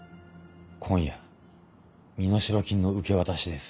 今夜身代金の受け渡しです。